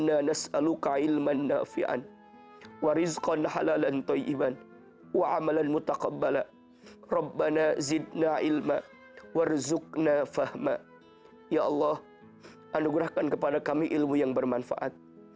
anugerahkan kepada kami ilmu yang bermanfaat